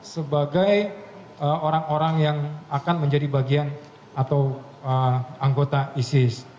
sebagai orang orang yang akan menjadi bagian atau anggota isis